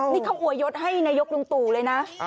นี่เขาอวยยศให้นายกลุงตู่เลยนะ